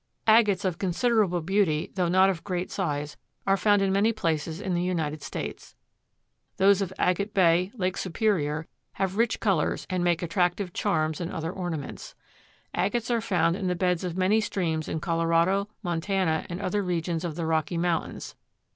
Agates of considerable beauty, though not of great size, are found in many places in the United States. Those of Agate Bay, Lake Superior, have rich colors and make attractive charms and other ornaments. Agates are found in the beds of many streams in Colorado, Montana and other regions of the Rocky Mountains.